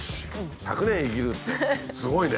１００年生きるってすごいね。